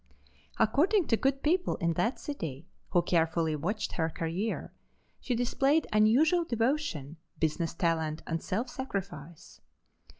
According to good people in that city who carefully watched her career, she displayed unusual devotion, business talent and self sacrifice.